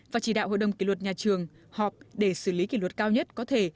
và chỉ đạo hội đồng kỷ luật nhà trường họp để xử lý kỷ luật cao nhất có thể